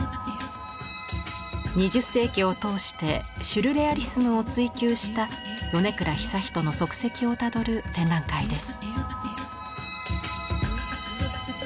２０世紀を通してシュルレアリスムを追求した米倉壽仁の足跡をたどる展覧会です。